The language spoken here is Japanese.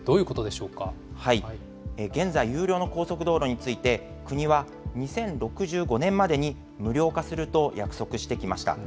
現在、有料の高速道路について、国は２０６５年までに無料化すると約束してきました。